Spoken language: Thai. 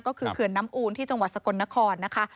ก็คือเขื่อนน้ำอูนที่จังหวัดสกลนครนะคะ